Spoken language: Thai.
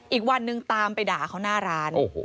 อีกวันนึงตามไปด่าเขาหน้าร้าน